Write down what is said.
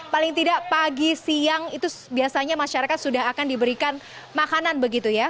paling tidak pagi siang itu biasanya masyarakat sudah akan diberikan makanan begitu ya